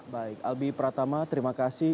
baik albi pratama terima kasih